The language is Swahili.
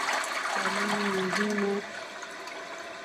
Dalili nyingine